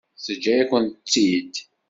Teǧǧa-yakent-tt-id.